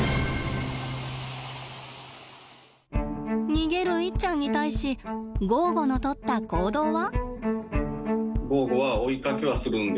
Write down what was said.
逃げるイッちゃんに対しゴーゴのとった行動は？